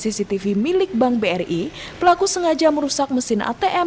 cctv milik bank bri pelaku sengaja merusak mesin atm